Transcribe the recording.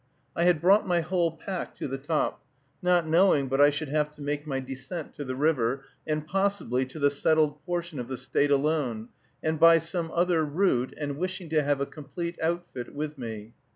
I had brought my whole pack to the top, not knowing but I should have to make my descent to the river, and possibly to the settled portion of the State alone, and by some other route, and wishing to have a complete outfit with me.